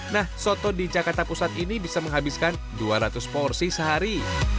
nah soto di jakarta pusat ini bisa menghabiskan dua ratus porsi sehari